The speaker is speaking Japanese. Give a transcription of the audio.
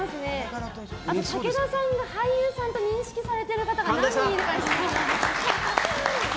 あと武田さんが俳優さんと認識されている方が何人いるか。